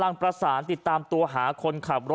และประสานรถยกจำนวนการ